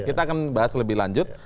kita akan bahas lebih lanjut